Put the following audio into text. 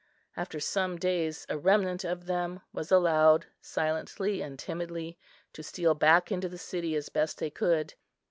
After some days a remnant of them was allowed silently and timidly to steal back into the city as best they could.